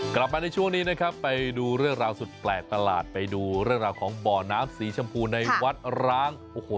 กลับมาในช่วงนี้นะครับไปดูเรื่องราวสุดแปลกประหลาดไปดูเรื่องราวของบ่อน้ำสีชมพูในวัดร้างโอ้โห